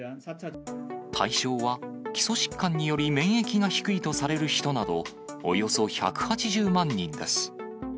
対象は、基礎疾患により免疫が低いとされる人など、およそ１８０万人です。